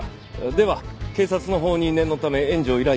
では警察のほうに念のため援助を依頼しておきます。